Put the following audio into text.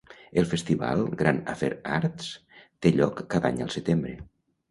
El festival Grand Affair Arts té lloc cada any al setembre.